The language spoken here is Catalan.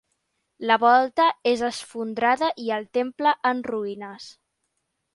La volta és esfondrada i el temple en ruïnes.